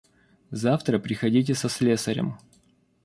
Завтра приходите со слесарем.